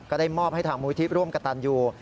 ได้มอบให้ทางมูลที่ร่วมกับตันยู